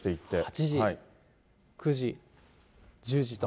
８時、９時、１０時と。